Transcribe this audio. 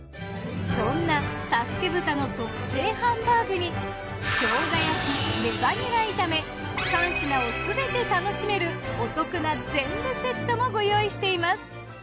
そんな佐助豚の特製ハンバーグに生姜焼きレバニラ炒め３品をすべて楽しめるお得な全部セットもご用意しています。